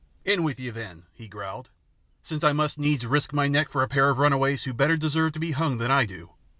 "In with you, then," he growled, "since I must needs risk my neck for a pair of runaways who better deserve to be hung than I do.